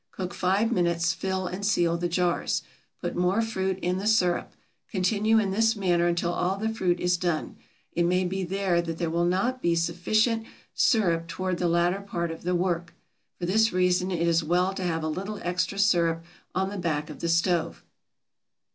Cook five minutes; fill and seal the jars. Put more fruit in the sirup. Continue in this manner until all the fruit is done. It may be that there will not be sufficient sirup toward the latter part of the work; for this reason it is well to have a little extra sirup on the back of the stove.